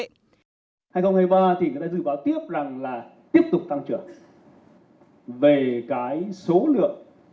năm hai nghìn hai mươi ba thì người ta dự báo tiếp rằng là tiếp tục tăng trưởng về cái số lượng